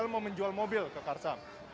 mau menjual mobil ke karsam